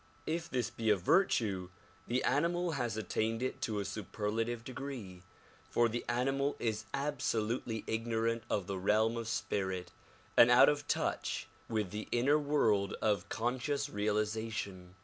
If this be a virtue the animal has attained it to a superlative degree, for the animal is absolutely ignorant of the realm of spirit and out of touch with the inner world of conscious realization.